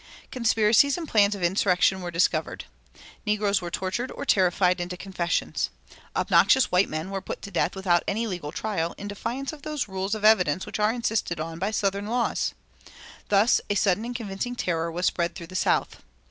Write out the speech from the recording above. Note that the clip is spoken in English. Conspiracies and plans of insurrection were discovered. Negroes were tortured or terrified into confessions. Obnoxious white men were put to death without any legal trial and in defiance of those rules of evidence which are insisted on by southern laws. Thus a sudden and convincing terror was spread through the South.